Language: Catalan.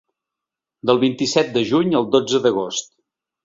Del vint-i-set de juny al dotze d’agost.